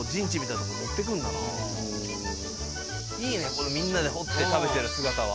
このみんなで掘って食べてる姿は。